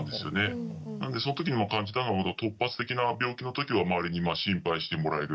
なのでその時に感じたのは突発的な病気の時は周りに心配してもらえる。